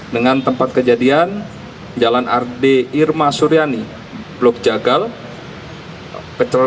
dengan tempat kejadian jalan arde irma suryani blok jagal